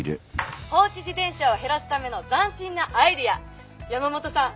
放置自転車を減らすための斬新なアイデア山本さん